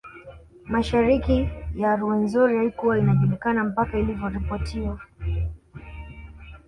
Mashariki ya Ruwenzori haikuwa inajulikana mpaka ilivyoripotiwa